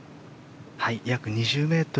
約２０ｍ。